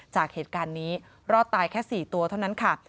จากเหตุการณ์นี้รอดตายแค่๔ตัวเท่านั้นค่ะ